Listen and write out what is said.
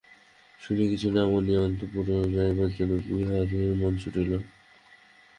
শুনিয়া, কিছু না মানিয়া অন্তঃপুরে যাইবার জন্য বিহারীর মন ছুটিল।